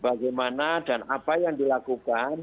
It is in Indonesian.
bagaimana dan apa yang dilakukan